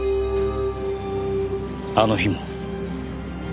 あの日も？